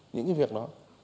những cái việc đó